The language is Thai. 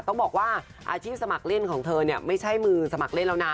ต้องบอกว่าอาชีพสมัครเล่นของเธอเนี่ยไม่ใช่มือสมัครเล่นแล้วนะ